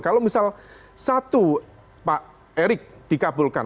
kalau misal satu pak erick dikabulkan